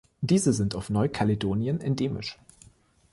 Diese sind auf Neukaledonien endemisch.